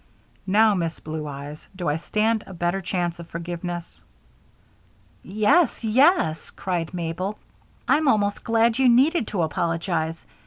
Now, Miss Blue Eyes, do I stand a better chance of forgiveness?" "Yes, yes!" cried Mabel. "I'm almost glad you needed to apologize.